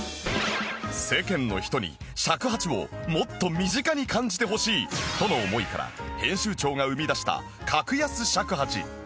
世間の人に尺八をもっと身近に感じてほしいとの思いから編集長が生み出した格安尺八